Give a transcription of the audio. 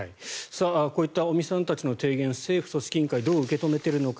こういった尾身さんたちの提言政府、組織委員会はどう受け止めているのか。